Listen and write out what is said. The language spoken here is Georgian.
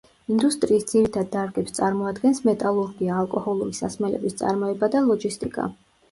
ინდუსტრიის ძირითად დარგებს წარმოადგენს მეტალურგია, ალკოჰოლური სასმელების წარმოება და ლოჯისტიკა.